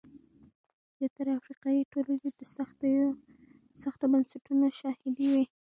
زیاتره افریقایي ټولنې د سختو بنسټونو شاهدې وې.